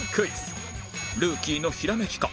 ルーキーのひらめきか？